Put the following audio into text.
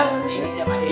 nggak usah pakde